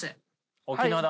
沖縄だ。